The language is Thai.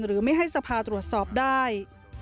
หรือไม่ให้สภาตรวจสอบได้